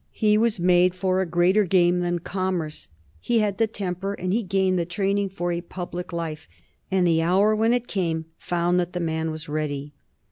He was made for a greater game than commerce; he had the temper and he gained the training for a public life, and the hour when it came found that the man was ready.